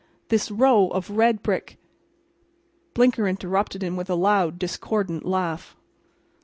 This row of red brick—" Blinker interrupted him with a loud, discordant laugh.